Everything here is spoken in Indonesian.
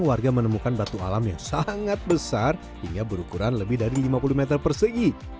warga menemukan batu alam yang sangat besar hingga berukuran lebih dari lima puluh meter persegi